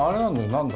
何だ